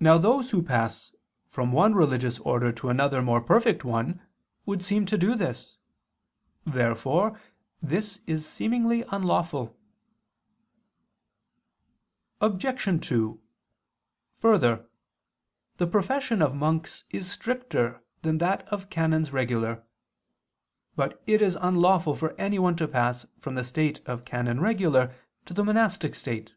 Now those who pass from one religious order to another more perfect one would seem to do this. Therefore this is seemingly unlawful. Obj. 2: Further, the profession of monks is stricter than that of canons regular (Extra, De Statu Monach. et Canonic. Reg., cap. Quod Dei timorem). But it is unlawful for anyone to pass from the state of canon regular to the monastic state.